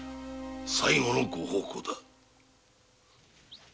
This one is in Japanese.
最後のご奉公だ。